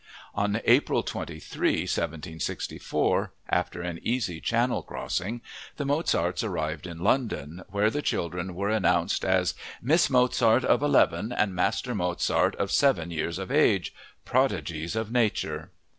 On April 23, 1764, after an easy Channel crossing, the Mozarts arrived in London, where the children were announced as "Miss Mozart of Eleven and Master Mozart of Seven years of age, Prodigies of Nature."